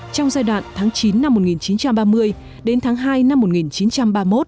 trong giai đoạn tháng chín năm một nghìn chín trăm ba mươi đến tháng hai năm một nghìn chín trăm ba mươi một